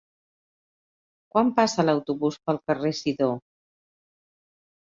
Quan passa l'autobús pel carrer Sidó?